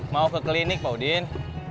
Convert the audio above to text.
mau ke klinik pak udin